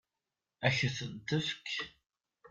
Ad k-ten-tefk?